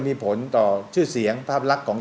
มีผลต่อชื่อเสียงภาพลักษณ์ของ